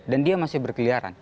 dan dia masih berkeliaran